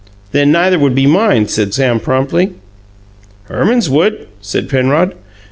"Then neither would mine," said Sam promptly. "Herman's would," said Penrod.